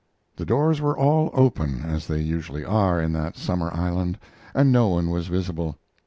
The doors were all open, as they usually are in that summer island, and no one was visible.